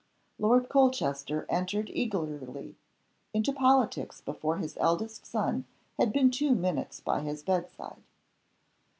Lord Holchester entered eagerly into politics before his eldest son had been two minutes by his bedside.